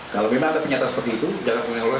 kalau memang ada penyataan seperti itu jangan mengelola